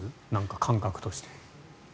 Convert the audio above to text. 感覚として。